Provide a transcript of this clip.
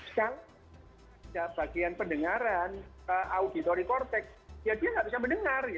sekarang bagian pendengaran auditory cortex ya dia tidak bisa mendengar